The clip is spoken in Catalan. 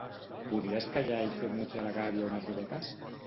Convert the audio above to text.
Podries callar i fer muts a la gàbia unes horetes?